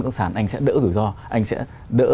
các sản anh sẽ đỡ rủi ro anh sẽ đỡ